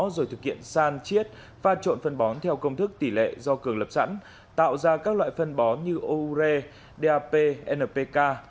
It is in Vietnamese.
rồi thực hiện san chiết pha trộn phân bón theo công thức tỷ lệ do cường lập sẵn tạo ra các loại phân bón như oure dap npk